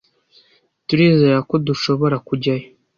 Turizera ko dushoborakujyayo.